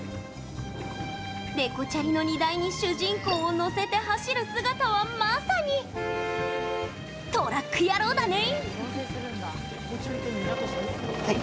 デコチャリの荷台に主人公を乗せて走る姿はまさにトラック野郎だね！